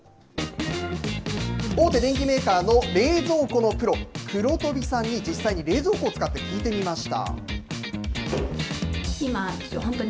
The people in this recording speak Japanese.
大手電機メーカーの冷蔵庫のプロ、黒飛さんに、実際に冷蔵庫を使って聞いてみました。